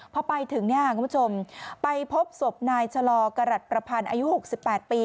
พอไปถึงคุณผู้ชมไปพบศพนายชะลอกรัฐประพันธ์อายุ๖๘ปี